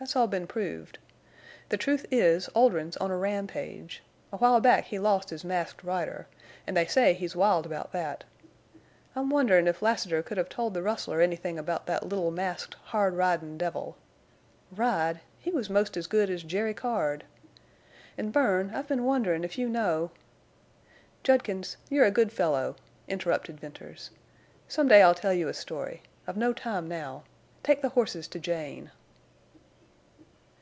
Thet's all been proved. The truth is Oldrin's on a rampage. A while back he lost his Masked Rider, an' they say he's wild about thet. I'm wonderin' if Lassiter could hev told the rustler anythin' about thet little masked, hard ridin' devil. Ride! He was most as good as Jerry Card. An', Bern, I've been wonderin' if you know—" "Judkins, you're a good fellow," interrupted Venters. "Some day I'll tell you a story. I've no time now. Take the horses to Jane."